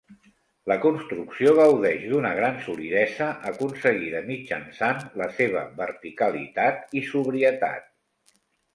La construcció gaudeix d'una gran solidesa, aconseguida mitjançant la seva verticalitat i sobrietat.